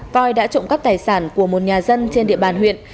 coi đã trộm cắp tài sản của một nhà dân trên địa bàn huyện